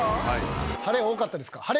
晴れ、多かったですか？